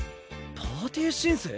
パーティ申請？